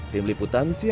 tim liputan cnn indonesia